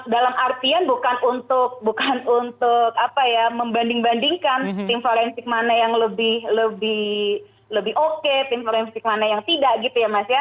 dalam artian bukan untuk membanding bandingkan tim forensik mana yang lebih oke tim forensik mana yang tidak gitu ya mas ya